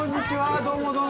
どうも、どうも！